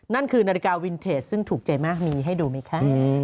นั่นคือนาฬิกาวินเทจซึ่งถูกใจมากมีให้ดูไหมคะ